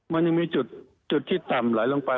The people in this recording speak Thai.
มันยังมีจุดที่ต่ำไหลลงไป